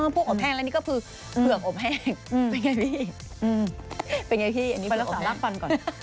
อ๋อพวกอบแห้งและนี่ก็คือเผือกอบแห้งเป็นไงพี่เป็นไงพี่อันนี้เป็นอบแห้ง